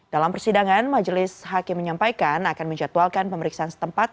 dalam persidangan majelis hakim menyampaikan akan menjatuhkan pemeriksaan setempat